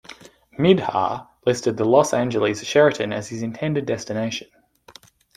Mihdhar listed the Los Angeles Sheraton as his intended destination.